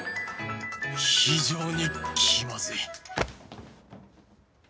非常に気まずい